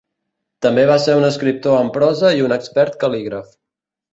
També va ser un escriptor en prosa i un expert cal·lígraf.